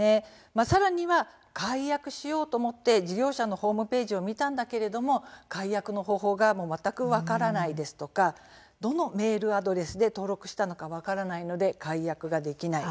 さらには解約しようと思って事業者のホームページを見たけれど解約の方法が分からないですとかどのメールアドレスで登録したのかも分からないので解約ができない。